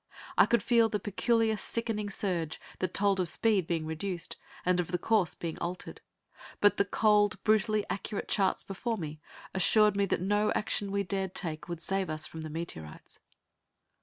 I could feel the peculiar, sickening surge that told of speed being reduced, and the course being altered, but the cold, brutally accurate charts before me assured me that no action we dared take would save us from the meteorites.